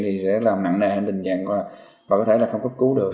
thì sẽ làm nặng nề hình tình trạng và có thể là không cấp cứu được